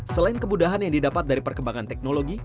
selain kemudahan yang didapat dari perkembangan teknologi